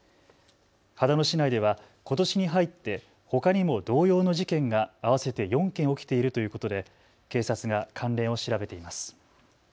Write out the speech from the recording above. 秦野市内ではことしに入ってほかにも同様の事件が合わせて４件起きているということで警察が関連を調べています。